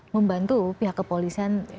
membantu pihak kepolisian